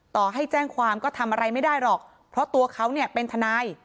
ต่อให้แจ้งความก็ทำอะไรไม่ได้หรอกเพราะตัวเขาเนี่ยเป็นทนาย